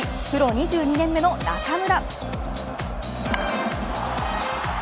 ２２年目の中村。